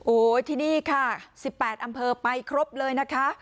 โอ้โหที่นี่ค่ะ๑๘อำเภอไปครบเลยนะคะ